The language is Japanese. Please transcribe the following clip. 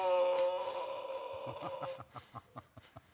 ハハハハハ。